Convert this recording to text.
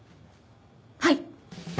はい！